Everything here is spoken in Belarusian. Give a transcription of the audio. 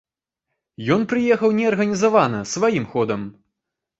Ён прыехаў неарганізавана, сваім ходам.